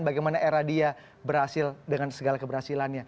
bagaimana era dia berhasil dengan segala keberhasilannya